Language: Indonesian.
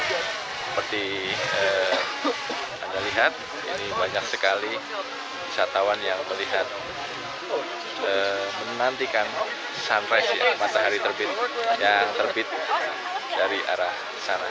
seperti anda lihat ini banyak sekali wisatawan yang melihat menantikan sunrise ya matahari terbit yang terbit dari arah sana